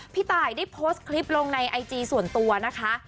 พี่ตายได้โพสต์คลิปลงในไอจีส่วนตัวนะคะ